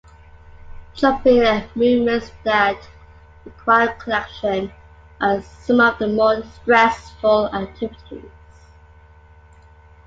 Jumping, and movements that require collection, are some of the more stressful activities.